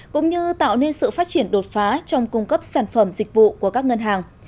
cũng như tạo nên sự phát triển đột phá trong cung cấp sản phẩm dịch vụ của các ngân hàng